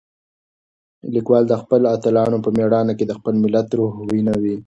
لیکوال د خپلو اتلانو په مېړانه کې د خپل ملت روح وینه.